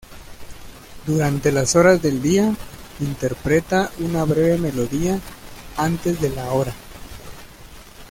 Durante las horas del día interpreta una breve melodía antes de la hora.